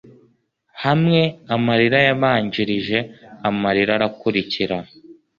Hamwe amarira yabanjirije amarira arakurikira